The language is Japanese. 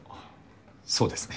そうですね。